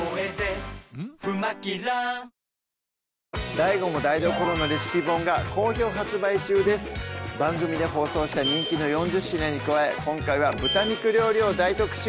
ＤＡＩＧＯも台所のレシピ本が好評発番組で放送した人気の４０品に加え今回は豚肉料理を大特集